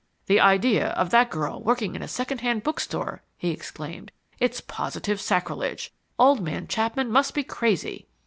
... "The idea of that girl working in a second hand bookstore!" he exclaimed. "It's positive sacrilege! Old man Chapman must be crazy."